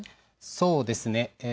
そうですね。